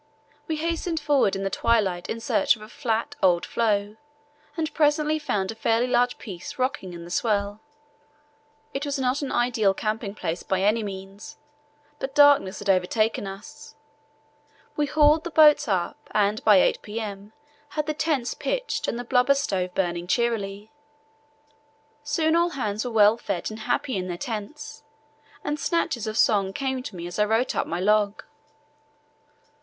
We hastened forward in the twilight in search of a flat, old floe, and presently found a fairly large piece rocking in the swell. It was not an ideal camping place by any means, but darkness had overtaken us. We hauled the boats up, and by 8 p.m. had the tents pitched and the blubber stove burning cheerily. Soon all hands were well fed and happy in their tents, and snatches of song came to me as I wrote up my log.